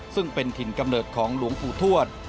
ซึ่งเป็นถิ่นกำเนิดของหลวงปู่ทวด